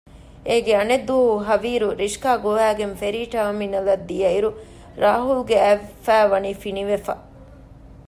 އޭގެ އަނެއް ދުވަހު ހަވީރު ރިޝްކާ ގޮވައިގެން ފެރީ ޓާމިނަލަށް ދިޔައިރު ރާހުލްގެ އަތް ފައި ވަނީ ފިނިވެފަ